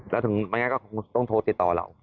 แล้วถึงไม่งั้นก็คงต้องโทรติดต่อเรา